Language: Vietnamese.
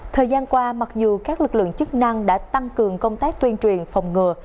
thời gian qua mặc dù các lực lượng chức năng đã tăng cường công tác tuyên truyền phòng ngừa